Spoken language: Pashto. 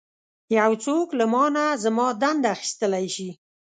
یو څوک له مانه زما دنده اخیستلی شي.